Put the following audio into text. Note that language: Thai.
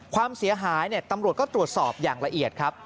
ความเสียหายตำรวจก็ตรวจสอบอย่างละเอียดครับ